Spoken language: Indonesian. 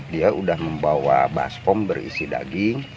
dia sudah membawa baspom berisi daging